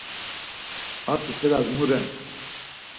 Atzi siras mu ren?